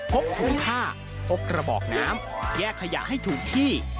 กถุงผ้าพกระบอกน้ำแยกขยะให้ถูกที่